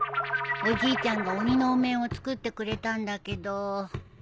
おじいちゃんが鬼のお面を作ってくれたんだけど。